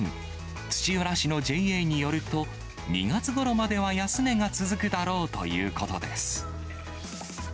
土浦市のＪＡによると、２月ごろまでは安値が続くだろうということです。